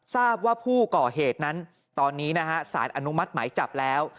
ทราบว่าผู้ก่อเหตุนั้นตอนนี้นะฮะสารอนุมัติหมายจับแล้ว